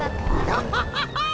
アハハハッ！